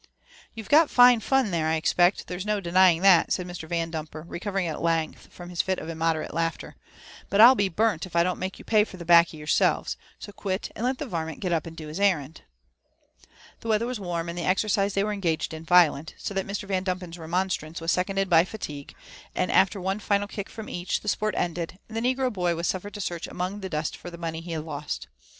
You've got fine fun there, I expect — ^there's no denying that," said Mr. Yandumper, recovering at length from his fit of immoderate laughter; '' but I'll be burnt if I don't make you pay for the baccy yourselves ; so quit, and let the varment get up and do his errand." The weather was warm, and the exercise they were engaged in violent, so that Mr. Yandumper's remonstrance was seconded by fatigue, and after one final kick from each, the sport ended, and the negro boy was suffered to search among the dust for the money he had lost.